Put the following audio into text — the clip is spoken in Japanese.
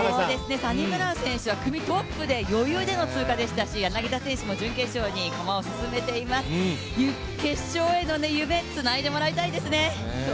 サニブラウン選手は組トップで余裕での通過でしたし、柳田選手も駒を進めています、決勝への夢、つないでもらいたいです。